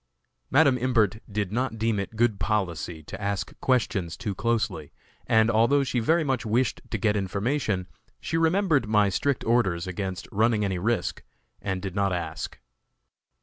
Madam Imbert did not deem it good policy to ask questions too closely, and, although she very much wished to get information, she remembered my strict orders against running any risk, and did not ask.